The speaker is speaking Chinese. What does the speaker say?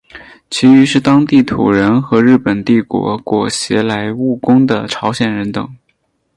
其余是当地土人和日本帝国裹挟来务工的朝鲜人等。